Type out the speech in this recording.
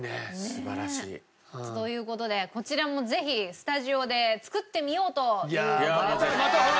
素晴らしい。という事でこちらもぜひスタジオで作ってみようという事でございます。